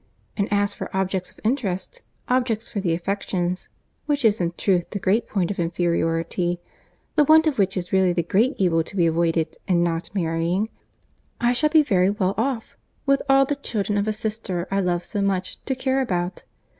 And as for objects of interest, objects for the affections, which is in truth the great point of inferiority, the want of which is really the great evil to be avoided in not marrying, I shall be very well off, with all the children of a sister I love so much, to care about.